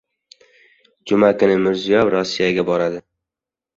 Juma kuni Mirziyoyev Rossiyaga boradi